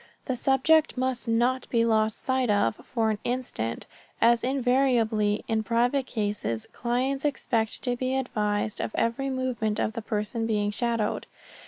The subject must not be lost sight of for an instant, as invariably, in private cases, clients expect to be advised of every movement of the person being shadowed.